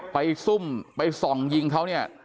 ซุ่มไปส่องยิงเขาเนี่ย